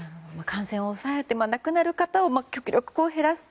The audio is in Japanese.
感染を抑えて亡くなる方を極力減らす。